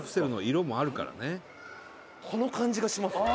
「この感じがしますね」